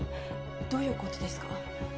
どういうことですか？